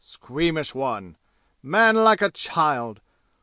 Squeamish one! Man like a child!